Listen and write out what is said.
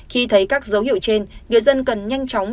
khi thấy các dấu hiệu trên người dân cần nhanh chóng